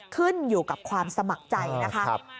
ขึ้นอยู่กับความสมัครใจนะคะ